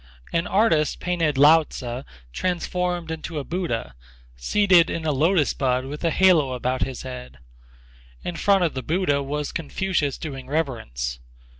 An artist painted Lao Tzu transformed into a Buddha, seated in a lotus bud with a halo about his head. In front of the Buddha was Confucius doing reverence.